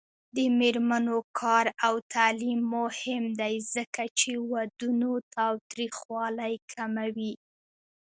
د میرمنو کار او تعلیم مهم دی ځکه چې ودونو تاوتریخوالي کموي.